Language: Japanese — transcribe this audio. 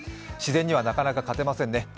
自然にはなかなか勝てませんね。